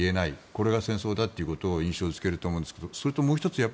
これが戦争だということを印象付けると思うんですがそれともう１つ